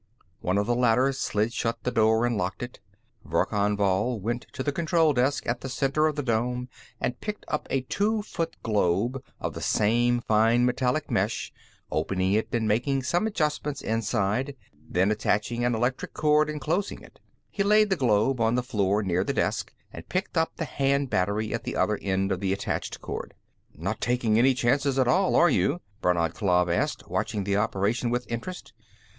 One of the latter slid shut the door and locked it; Verkan Vall went to the control desk, at the center of the dome, and picked up a two foot globe of the same fine metallic mesh, opening it and making some adjustments inside, then attaching an electric cord and closing it. He laid the globe on the floor near the desk and picked up the hand battery at the other end of the attached cord. "Not taking any chances at all, are you?" Brannad Klav asked, watching this operation with interest.